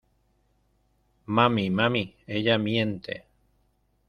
¡ Mami! ¡ mami !¡ ella miente !